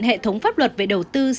hệ thống pháp luật về đầu tư